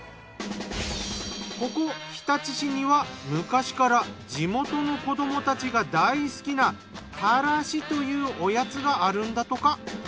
ここ日立市には昔から地元の子どもたちが大好きなたらしというおやつがあるんだとか。